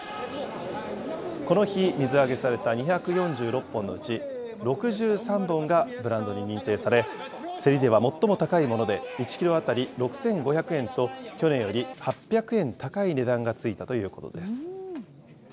この日、水揚げされた２４６本のうち、６３本がブランドに認定され、競りでは最も高いもので１キロ当たり６５００円と、去年より８００円高い値段がついたということです。